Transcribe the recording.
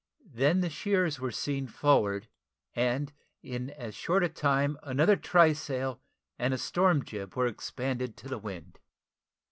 Then the shears were seen forward, and in as short a time another try sail and a storm jib were expanded to the wind.